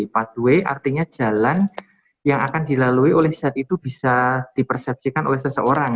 pathway artinya jalan yang akan dilalui oleh zat itu bisa dipersepsikan oleh seseorang